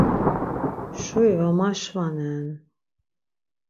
Şuri var maşvanen.